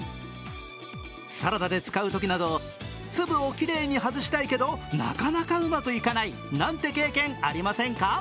サラダで使うときなど粒をきれいに外したいけどなかなかうまくいかない、なんて経験、ありませんか？